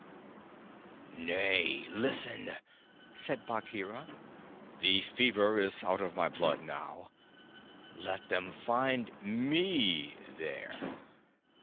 "Nay, listen," said Bagheera. "The fever is out of my blood now. Let them find me there!